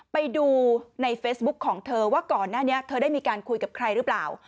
ไปดูในเฟซบุ๊คของเธอว่าก่อนหน้านี้เธอได้มีการคุยกับใครหรือเปล่า